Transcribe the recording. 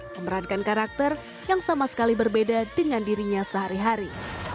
memerankan karakter yang sama sekali berbeda dengan dirinya sehari hari